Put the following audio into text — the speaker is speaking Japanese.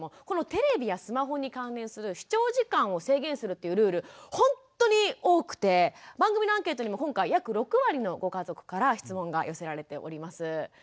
このテレビやスマホに関連する視聴時間を制限するっていうルールほんとに多くて番組のアンケートにも今回約６割のご家族から質問が寄せられております。